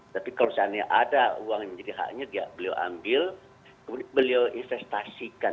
tapi kalau seandainya ada uang yang menjadi haknya beliau ambil beliau investasikan